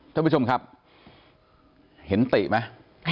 ท่านผู้ชมครับเห็นติไหม